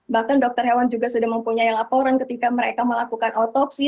bahkan dokter hewan juga sudah mempunyai laporan ketika mereka melakukan otopsi